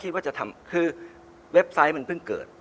ว่าจะทำคือเว็บไซต์มันเพิ่งเกิด